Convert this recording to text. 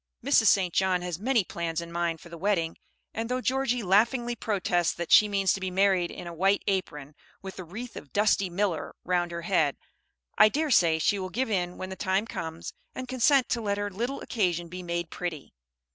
Mrs. St. John has many plans in mind for the wedding; and though Georgie laughingly protests that she means to be married in a white apron, with a wreath of "dusty miller" round her head, I dare say she will give in when the time comes, and consent to let her little occasion be made pretty.